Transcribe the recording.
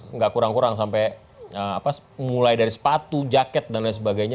nggak kurang kurang sampai mulai dari sepatu jaket dan lain sebagainya